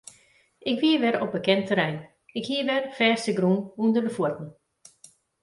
Ik wie wer op bekend terrein, ik hie wer fêstegrûn ûnder de fuotten.